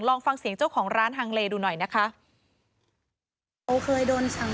ลองฟังเสียงเจ้าของร้านฮังเลดูหน่อยนะคะ